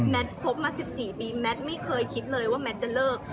คบมา๑๔ปีแมทไม่เคยคิดเลยว่าแมทจะเลิก